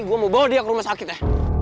gue mau bawa dia ke rumah sakit ya